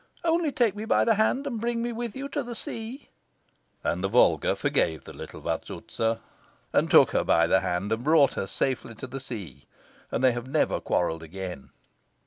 Only take me by the hand and bring me with you to the sea." And the Volga forgave the little Vazouza, and took her by the hand and brought her safely to the sea. And they have never quarrelled again.